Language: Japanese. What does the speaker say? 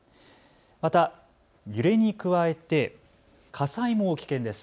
また揺れに加えて火災も危険です。